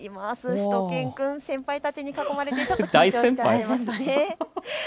しゅと犬くん、先輩たちに囲まれてちょっと緊張していますね。